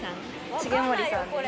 重盛さんです。